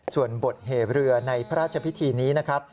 ส่วนบทเหเรือในพระราชพิธีนี้นะครับ